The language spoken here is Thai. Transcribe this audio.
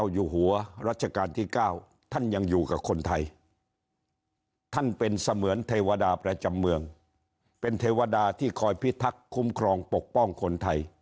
อาลัยองค์พระสงธรรมคิดถึงองค์พระภูมิพล